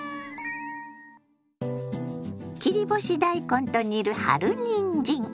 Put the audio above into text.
切り干し大根と煮る春にんじん。